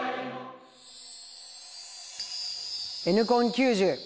「Ｎコン９０」。